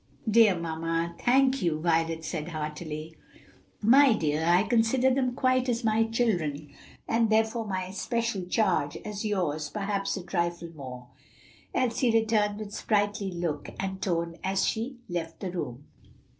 "Dear mamma, thank you!" Violet said heartily. "My dear, I consider them quite as much my children, and therefore my especial charge, as yours, perhaps a trifle more," Elsie returned with sprightly look and tone as she left the room.